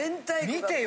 見てよ